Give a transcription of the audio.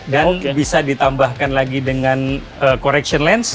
dan bisa ditambahkan lagi dengan correction lens